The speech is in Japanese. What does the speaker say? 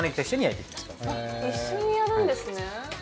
一緒にやるんですね。